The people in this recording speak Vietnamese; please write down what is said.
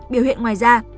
biểu hiện ngoài da